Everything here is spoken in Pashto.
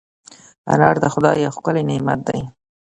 انار د خدای یو ښکلی نعمت دی.